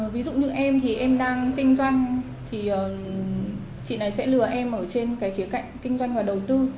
ví dụ như em thì em đang kinh doanh thì chị này sẽ lừa em ở trên cái khía cạnh kinh doanh và đầu tư